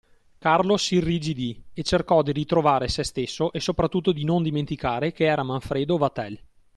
Carlo s'irrigidì e cercò di ritrovare se stesso e sopratutto di non dimenticare che era Manfredo Vatel.